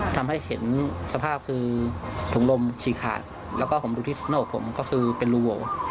ทำให้เห็นสภาพคือถุงลมฉีกขาดแล้วก็ผมดูที่หน้าอกผมก็คือเป็นรูโหว